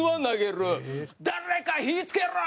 「誰か火付けろ！」